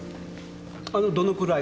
あのどのくらい？